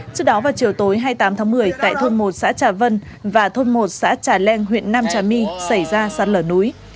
trước đó vào chiều tối hai mươi tám tháng một mươi tại thôn một xã trà vân và thôn một xã trà leng huyện nam trà my xảy ra sạt lở núi